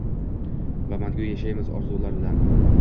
Va mangu yashaymiz orzular bilan